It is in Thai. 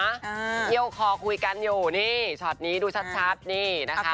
เที่ยวคอคุยกันอยู่นี่ช็อตนี้ดูชัดนี่นะคะ